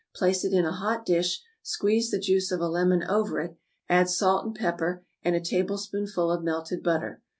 Place it in a hot dish, squeeze the juice of a lemon over it, add salt and pepper and a tablespoonful of melted butter.